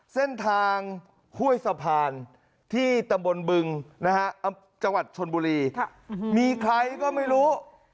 เส้นทางห้วยสะพานที่ตำบลบึงนะฮะจังหวัดชนบุรีมีใครก็ไม่รู้